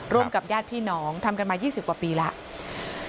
ร่วมกับญาติพี่น้องทำกันมา๒๐กว่าปีแล้ว